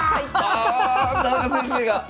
あ田中先生が！